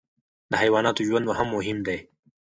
د حیواناتو ژوند هم مهم دی.